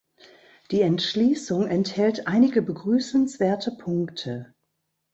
Die Entschließung enthält einige begrüßenswerte Punkte.